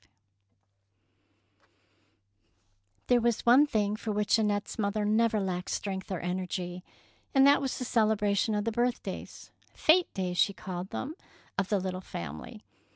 V'' There was one thing for which An nette's mother never lacked strength or energy, and that was the celebra tion of the birthdays — "fete days," she called them — of the little fam ily.